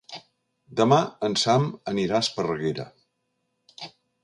Demà en Sam anirà a Esparreguera.